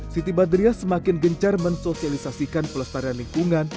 siti badriah semakin gencar mensosialisasikan pelestarian lingkungan